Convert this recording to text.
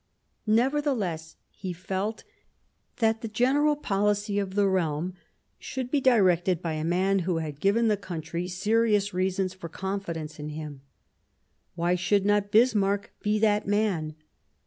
Nevertheless, he felt that the general policy of the realm ought to be directed by a man who had given the country serious reasons for confidence in him. Why should not Bismarck be that man